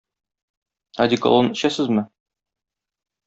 Одеколон эчәсезме?